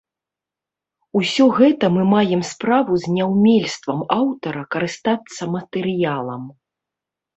Усё гэта мы маем справу з няўмельствам аўтара карыстацца матэрыялам.